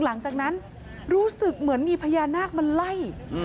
หลังจากนั้นรู้สึกเหมือนมีพญานาคมาไล่